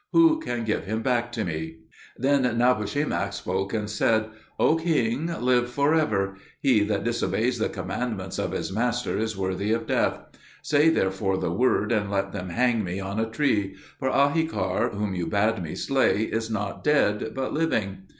Who can give him back to me?" Then Nabushemak spoke and said, "O king, live for ever. He that disobeys the commandments of his master is worthy of death. Say therefore the word, and let them hang me on a tree; for Ahikar, whom you bade me slay, is not dead, but living!"